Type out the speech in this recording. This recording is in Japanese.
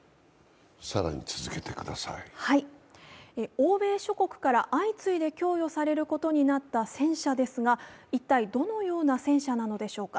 欧米諸国から相次いで供与されることになった戦車ですが、一体どのような戦車なのでしょうか。